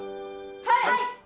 はい！